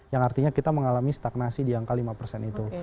yang artinya kita mengalami stagnasi di angka lima persen itu